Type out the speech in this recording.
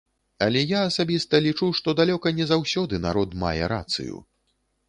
Але я асабіста лічу, што далёка не заўсёды народ мае рацыю.